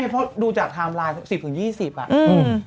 พี่เมียเพราะดูจากไทม์ไลน์สิบถึงยี่สิบอ่ะอืม